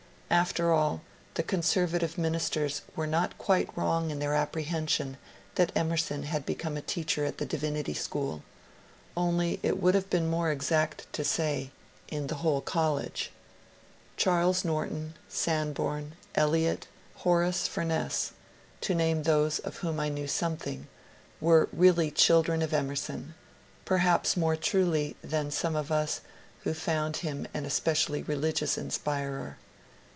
After all, the oonseryative ministers were not quite wrong in their apprehension that Emerson had beoome a teacher at the Divinity School ; only it would have been more exact to say, in the whole college. Charles Norton, Sanborn, Eliot, Horace Fumess — to name those of whom I knew something — were reaUy children of Emerson, perhaps more truly than some of us who found him an especiaUy religious inspirer.